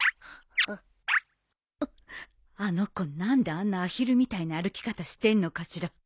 あの子何であんなアヒルみたいな歩き方してんのかしら